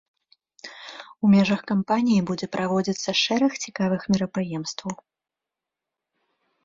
У межах кампаніі будзе праводзіцца шэраг цікавых мерапрыемстваў.